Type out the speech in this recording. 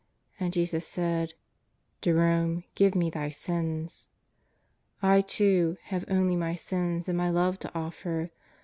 And Jesus said: "Jerome, give Me thy sins." I, too, have only my sins and my love to offer.